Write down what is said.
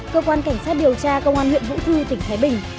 cơ quan cảnh sát điều tra cơ quan huyện vũ thư tỉnh thái bình